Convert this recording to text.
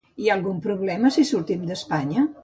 Hi ha algun problema si sortim d'Espanya?